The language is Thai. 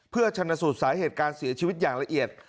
เพื่อชนะสูตรสาเหตุการเสียชีวิตอย่างละเอียด